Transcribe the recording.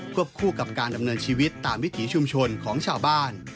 คู่กับการดำเนินชีวิตตามวิถีชุมชนของชาวบ้าน